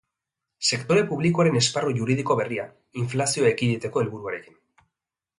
Sektore publikoaren esparru juridiko berria, inflazioa ekiditeko helburuarekin.